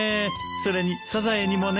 それにサザエにもね。